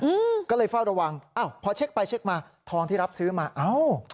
อืมก็เลยเฝ้าระวังอ้าวพอเช็คไปเช็คมาทองที่รับซื้อมาเอ้า